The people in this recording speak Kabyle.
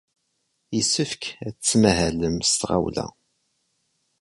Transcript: Yessefk ad tettmahalem s tɣawla.